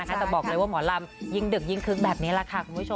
ก็บอกเลยว่าหมอลำยิ่งดึกยิ่งคึกแบบนี้แหละค่ะ